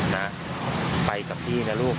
นะไปกับพี่นะลูก